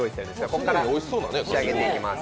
ここから仕上げていきます。